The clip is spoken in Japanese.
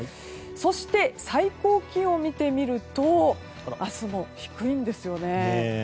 そして、最高気温を見てみると明日も低いんですよね。